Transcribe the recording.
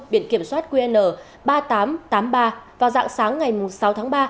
biển kiểm soát qn ba nghìn tám trăm tám mươi ba vào dạng sáng ngày sáu tháng ba